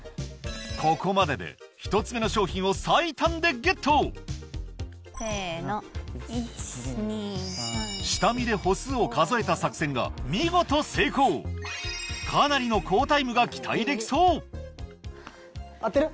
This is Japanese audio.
ここまでで１つ目の商品を最短でゲットせの１２３下見で歩数を数えた作戦が見事成功かなりのできそう合ってる？